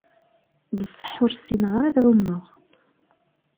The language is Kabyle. Besseḥ ur ssineγ ara ad εummeγ.